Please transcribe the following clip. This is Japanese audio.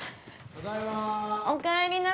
ただいま。